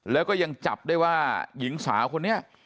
แล้วก็ยังจับได้ว่าหญิงสาวคนนี้